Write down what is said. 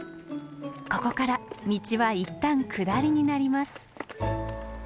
ここから道はいったん下りになります。